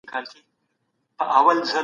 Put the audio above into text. ډیپلوماټان چیري د مدني ټولني ملاتړ کوي؟